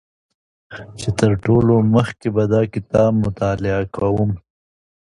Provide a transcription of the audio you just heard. چې تر ټولو مخکې به دا کتاب مطالعه کوم